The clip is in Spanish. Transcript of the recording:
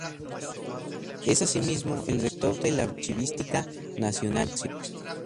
Es asimismo el rector de la archivística nacional.